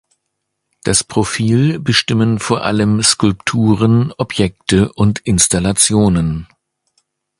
Das Profil bestimmen vor allem Skulpturen, Objekte und Installationen.